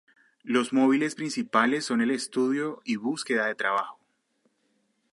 Los móviles principales son el estudio y búsqueda de trabajo.